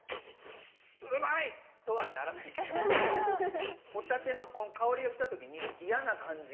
うまい！とはならないけど帆立てのこの香りがきた時に嫌な感じがなかった。